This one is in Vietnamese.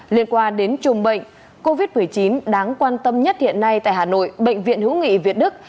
liên quan đến chùm bệnh covid một mươi chín đáng quan tâm nhất hiện nay tại hà nội bệnh viện hữu nghị việt đức